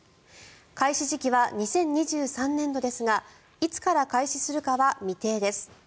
開始時期は２０２３年度ですがいつから開始するかは未定です。